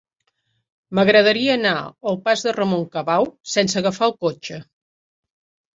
M'agradaria anar al pas de Ramon Cabau sense agafar el cotxe.